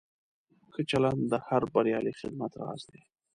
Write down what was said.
ښه چلند د هر بریالي خدمت راز دی.